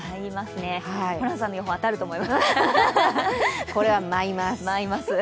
ホランさんの予想は当たると思います。